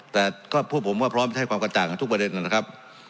แต่ก็พวกผมว่าพร้อมจะให้ความกระจ่างกับทุกประเด็นนะครับ